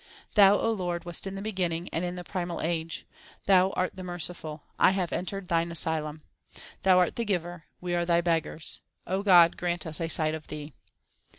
Thou, O Lord, wast in the beginning and in the primal age; Thou art the Merciful ; I have entered Thine asylum. Thou art the Giver ; we are Thy beggars ; O God, grant us a sight of Thee.